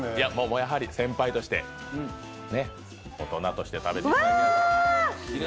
やはり先輩として大人として食べていただきたい。